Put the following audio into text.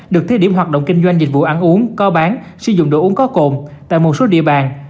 được thiết điểm hoạt động kinh doanh dịch vụ ăn uống có bán sử dụng đồ uống có cồn tại một số địa bàn